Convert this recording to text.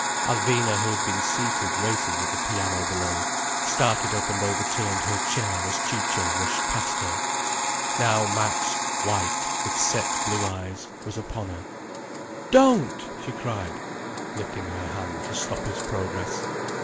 Alvina, who had been seated waiting at the piano below, started up and overturned her chair as Ciccio rushed past her. Now Max, white, with set blue eyes, was upon her. "Don't—!" she cried, lifting her hand to stop his progress.